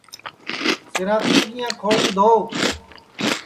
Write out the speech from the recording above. سِنٚراتِئے کِیاں کھوݪیں دھووَ